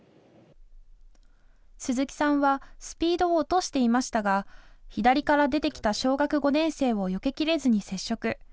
鈴木さんはスピードを落としていましたが左から出て来た小学５年生をよけきれずに接触。